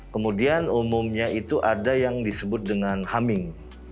kemudian umumnya itu ada yang disebut dengan haming